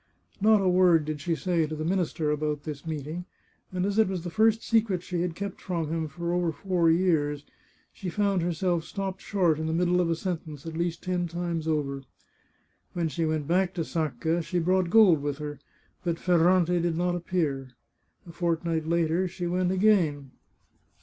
Not a word did she say to the minister about this meet ing, and as it was the first secret she had kept from him for over four years, she found herself stopped short in the middle of a sentence at least ten times over. When she went back to Sacca she brought gold with her, but Ferrante did not appear. A fortnight later she went again.